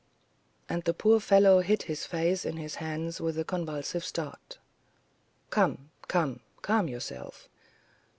And the poor fellow hid his face in his hands with a convulsive start. "Come, come, calm yourself."